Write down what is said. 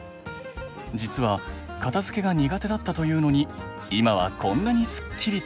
実は片づけが苦手だったというのに今はこんなにスッキリと！